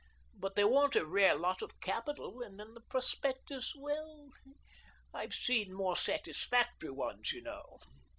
But they want a rare lot of capital, and then the prospectus — well, I've seen more satis factory ones, you know.